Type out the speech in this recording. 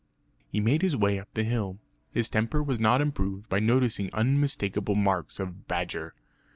He made his way up the hill; his temper was not improved by noticing unmistakable marks of badger.